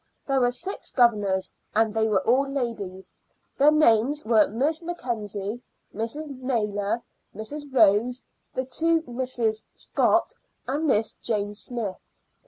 There were six governors, and they were all ladies. Their names were Miss Mackenzie, Mrs. Naylor, Mrs. Ross, the two Misses Scott, and Miss Jane Smyth.